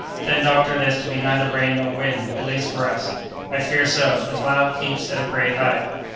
"Then, doctor, there's to be neither rain nor wind, at least for us!" "I fear so; the cloud keeps at a great height."